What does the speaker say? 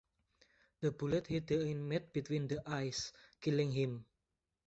The bullet hit the inmate between the eyes, killing him.